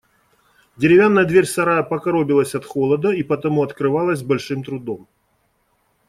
Деревянная дверь сарая покоробилась от холода и потому открывалась с большим трудом.